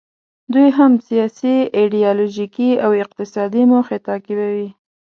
دوی هم سیاسي، ایډیالوژیکي او اقتصادي موخې تعقیبوي.